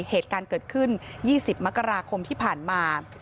เหตุการณ์เกิดขึ้น๒๐มกราคมที่ผ่านมา